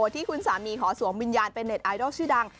ที่คุณสามีขอสวมวิญญาณเป็นเน็ตไอดอลชื่อดัง